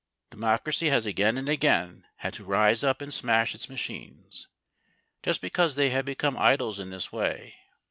Democracy has again and again had to rise up and smash its machines, just because they had become idols in this way.